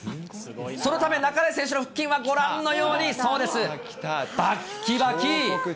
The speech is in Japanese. そのため、半井選手の腹筋はご覧のように、そうです、ばっきばき。